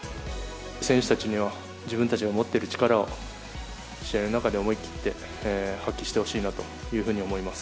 選手たちには、自分たちが持っている力を、試合の中で思い切って発揮してほしいなというふうに思います。